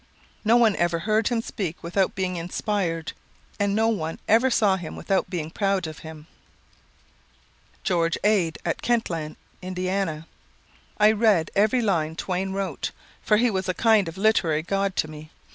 No one ever heard him speak without being inspired, and no one ever saw him without being proud of him." George Ade, at Kentland, Ind: "I read every line Twain wrote, for he was a kind of literary god to me.